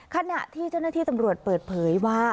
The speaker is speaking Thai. ขณะที่เจ้าหน้าที่ตำรวจเปิดเผยว่า